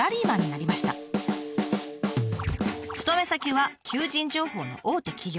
勤め先は求人情報の大手企業。